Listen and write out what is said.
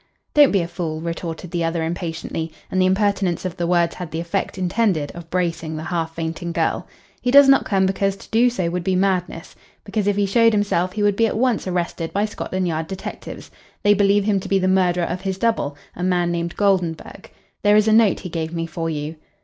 "Don't be a fool," retorted the other impatiently, and the impertinence of the words had the effect intended of bracing the half fainting girl. "He does not come because to do so would be madness because if he showed himself he would be at once arrested by Scotland Yard detectives. They believe him to be the murderer of his double a man named Goldenburg. There is a note he gave me for you."